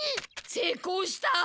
せいこうした？